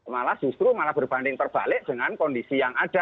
malah justru malah berbanding terbalik dengan kondisi yang ada